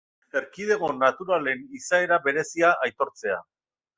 Erkidego naturalen izaera berezia aitortzea.